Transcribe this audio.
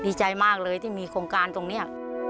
ดีใจมากเลยที่มีโครงการตรงนี้